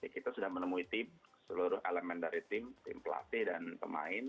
kita sudah menemui tim seluruh elemen dari tim tim pelatih dan pemain